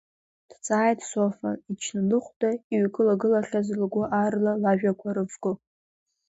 Дҵааит Софа, ичны лыхәда иҩкылагылахьаз лгәы аарла лажәақәа рывго.